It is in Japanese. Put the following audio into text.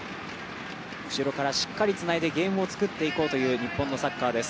後ろからしっかりつないでゲームを作っていこうという日本のサッカーです。